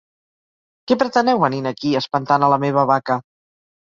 Què preteneu venint aquí i espantant a la meva vaca?